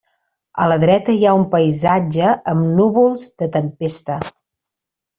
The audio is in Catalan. A la dreta hi ha un paisatge amb núvols de tempesta.